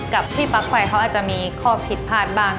กับพี่ปลั๊กไฟเขาอาจจะมีข้อผิดพลาดบ้าง